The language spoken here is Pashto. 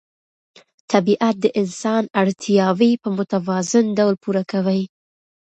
طبیعت د انسان اړتیاوې په متوازن ډول پوره کوي